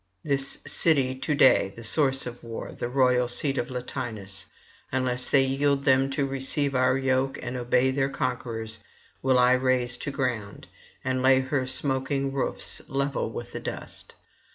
This city to day, the source of war, the royal seat of Latinus, unless they yield them to receive our yoke and obey their conquerors, will I raze to ground, and lay her smoking roofs level with the dust.